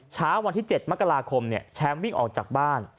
เช้าวันที่๗มกราคมแชมป์วิ่งออกจากบ้าน